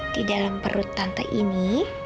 di dalam perut tante ini